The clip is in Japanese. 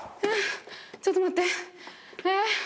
ちょっと待ってえ？